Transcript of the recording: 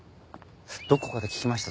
どこかで聞きました